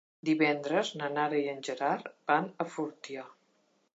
Divendres na Nara i en Gerard van a Fortià.